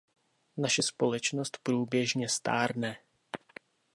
Naše společnost průběžně stárne.